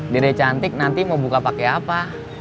dede cantik nanti mau buka pakai apa